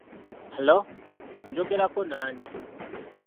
"Halo, njogerako n'ani?